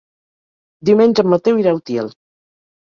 Diumenge en Mateu irà a Utiel.